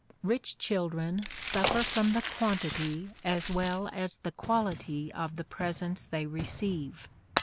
Rich children suffer from the quantity as well as the quality of the presents they receive.